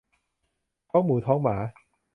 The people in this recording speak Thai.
ท้องหมูท้องหมา